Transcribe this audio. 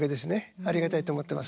ありがたいと思ってます